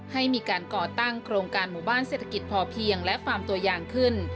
ให้มีการก่อตั้งโครงการหมู่บ้านเศรษฐกิจพอเพียงและฟาร์มตัวยางขึ้น